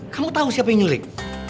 kamu tahu siapa yang nyulik